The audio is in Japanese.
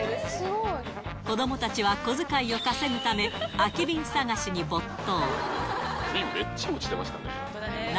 子どもたちは小遣いを稼ぐため、空き瓶探しに没頭。